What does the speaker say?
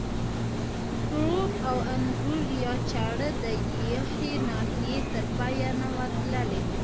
پروب او انبور یا چاړه د یخې ناحیې تر پایه نه وه تللې.